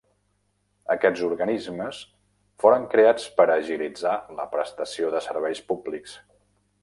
Aquests organismes foren creats per a agilitzar la prestació de serveis públics.